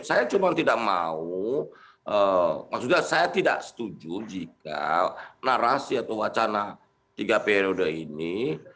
saya cuma tidak mau maksudnya saya tidak setuju jika narasi atau wacana tiga periode ini